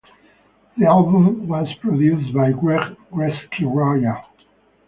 The album was produced by Greg "Gregski" Royal.